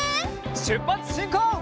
しゅっぱつしんこう！